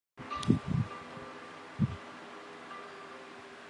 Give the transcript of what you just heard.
它是在原有的左翼政党联盟人民大会的基础上组建。